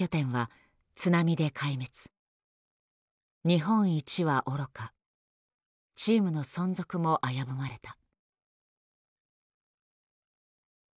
「日本一」はおろかチームの存続も危ぶまれた。